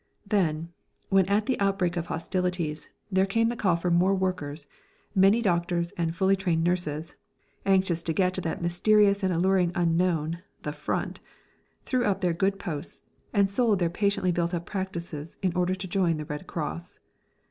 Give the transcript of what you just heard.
Then, when at the outbreak of hostilities there came the call for more workers, many doctors and fully trained nurses, anxious to get to that mysterious and alluring unknown, the Front, threw up their good posts and sold their patiently built up practices in order to join the Red Cross.